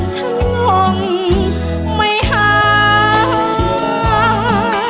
ฉันงงไม่ห่าง